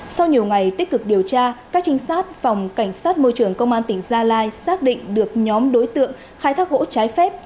sau nhiều ngày tích cực điều tra các trinh sát phòng cảnh sát môi trường công an tỉnh gia lai xác định được nhóm đối tượng khai thác gỗ trái phép